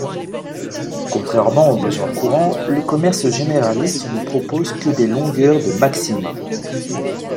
Contrairement aux besoins courants, le commerce généraliste ne propose que des longueurs de maximum.